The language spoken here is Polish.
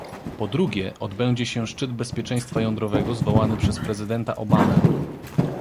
Po drugie, odbędzie się szczyt bezpieczeństwa jądrowego zwołany przez prezydenta Obamę